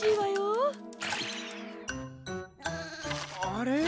あれ？